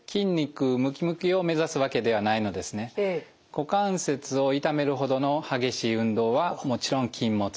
股関節を痛めるほどの激しい運動はもちろん禁物です。